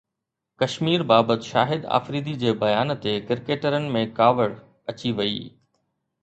ڪشمير بابت شاهد آفريدي جي بيان تي ڪرڪيٽرن ۾ ڪاوڙ اچي وئي